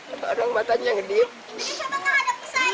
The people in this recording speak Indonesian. petugas menangkap rakyat di rumah